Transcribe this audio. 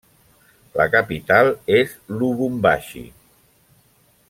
La capital és Lubumbashi.